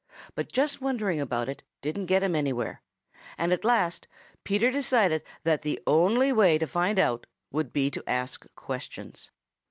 But just wondering about it didn't get him anywhere, and at last Peter decided that the only way to find out would be to ask questions.